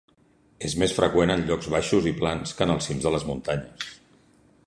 És més freqüent en llocs baixos i plans que en els cims de les muntanyes.